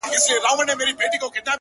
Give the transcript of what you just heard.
ستا دهر توري په لوستلو سره.